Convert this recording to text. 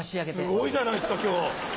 すごいじゃないですか今日。